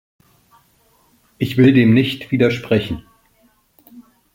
Ich will dem nicht widersprechen.